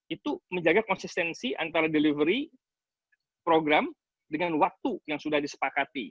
itu menjaga konsistensi antara delivery program dengan waktu yang sudah disepakati